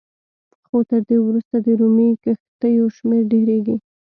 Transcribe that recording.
خو تر دې وروسته د رومي کښتیو شمېر ډېرېږي